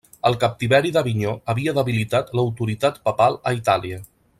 El captiveri d'Avinyó havia debilitat l'autoritat papal a Itàlia.